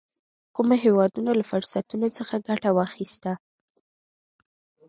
کومو هېوادونو له فرصتونو څخه ګټه واخیسته.